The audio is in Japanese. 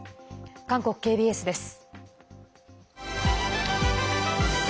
韓国ＫＢＳです。